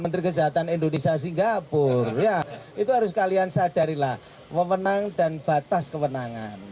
menteri kesehatan indonesia singapura itu harus kalian sadarilah l riots kewenangan